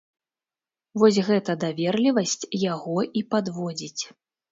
Вось гэта даверлівасць яго і падводзіць.